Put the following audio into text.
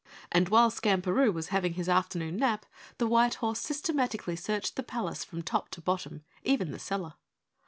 And while Skamperoo was having his afternoon nap, the white horse systematically searched the palace from top to bottom, even the cellar.